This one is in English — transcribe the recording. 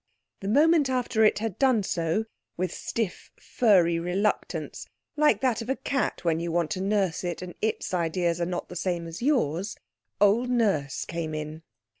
The moment after it had done so, with stiff, furry reluctance, like that of a cat when you want to nurse it, and its ideas are not the same as yours, old Nurse came in.